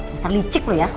misal licik lu ya